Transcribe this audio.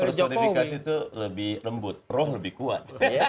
personifikasi itu lebih lembut roh lebih kuat